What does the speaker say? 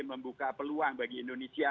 membuka peluang bagi indonesia